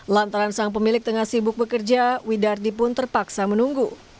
lantaran sang pemilik tengah sibuk bekerja widardi pun terpaksa menunggu